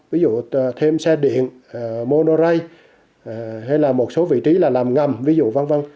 ví dụ thêm xe điện monorail hay là một số vị trí làm ngầm ví dụ v v